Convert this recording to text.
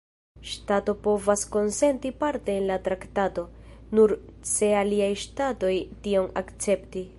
Ŝtato povas konsenti parte en la traktato, nur se aliaj ŝtatoj tion akcepti.